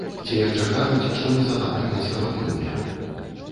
Ці яшчэ кажуць, што мы занадта кансерватыўныя.